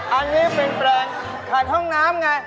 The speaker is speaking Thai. อันนี้เป็นแปลงขัดห้องน้ำไง